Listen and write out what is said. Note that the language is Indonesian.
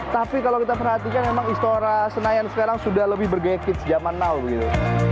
tapi kalau kita perhatikan memang istora senayan sekarang sudah lebih bergekit sejak zaman now gitu